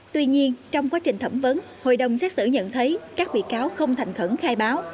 tuy nhiên trong quá trình thẩm vấn hội đồng xét xử nhận thấy các bị cáo không thành khẩn khai báo